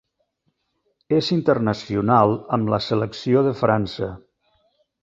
És internacional amb la selecció de França.